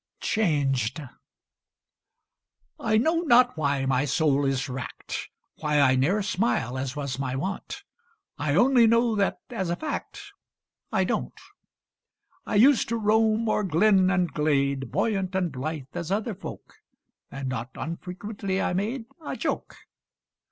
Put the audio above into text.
CHANGED I know not why my soul is racked; Why I ne'er smile, as was my wont I only know that, as a fact, I don't. I used to roam o'er glen and glade, Buoyant and blithe as other folk, And not unfrequently I made A joke.